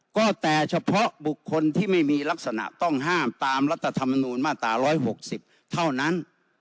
ก็แต่เฉพาะบุคคลที่ไม่มีลักษณะต้องห้ามตามรัฐธรรมนูญมาตรา๑๖๐เท่านั้น